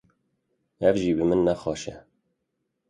Ev jî bi min nexweşe.